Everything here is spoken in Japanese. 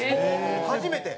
初めて？